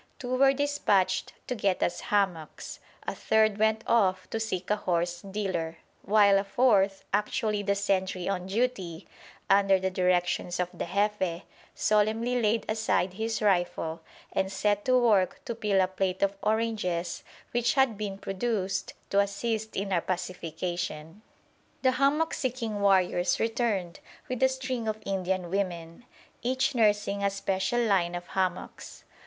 Two were dispatched to get us hammocks; a third went off to seek a horse dealer; while a fourth, actually the sentry on duty, under the directions of the Jefe, solemnly laid aside his rifle and set to work to peel a plate of oranges which had been produced to assist in our pacification. The hammock seeking warriors returned with a string of Indian women, each nursing "a special line" of hammocks.